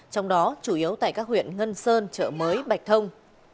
trong đó chủ yếu tại các huyện ngân sơn chợ mới bạch thông